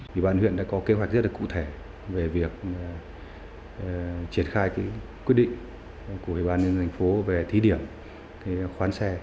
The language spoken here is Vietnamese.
ủy ban huyện đã có kế hoạch rất cụ thể về việc triển khai quyết định của ủy ban nhân thành phố về thí điểm khoán xe